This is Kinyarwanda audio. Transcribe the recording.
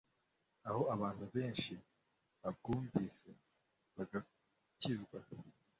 aho abantu beshi babwumvise bagakizwa